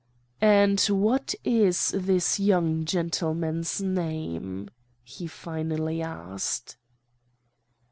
"'And what is this young gentleman's name?' he finally asked.